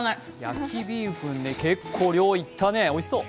焼ビーフンね、結構、量いったね、おいしそう。